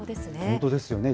本当ですよね。